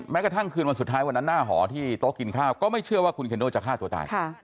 กระทั่งคืนวันสุดท้ายวันนั้นหน้าหอที่โต๊ะกินข้าวก็ไม่เชื่อว่าคุณเคนโดจะฆ่าตัวตาย